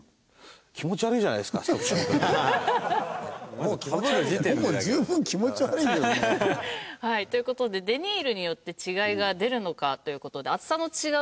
もう十分気持ち悪いよ。という事でデニールによって違いが出るのかという事で厚さの違う